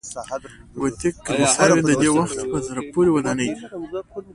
ګوتیک کلیساوې د دې وخت په زړه پورې ودانۍ دي.